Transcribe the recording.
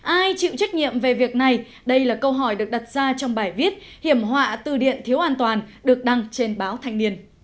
ai chịu trách nhiệm về việc này đây là câu hỏi được đặt ra trong bài viết hiểm họa từ điện thiếu an toàn được đăng trên báo thanh niên